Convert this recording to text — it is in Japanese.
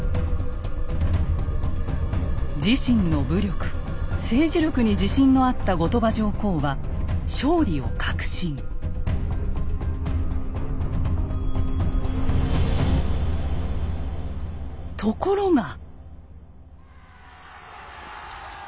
自身の武力・政治力に自信のあった後鳥羽上皇はところが。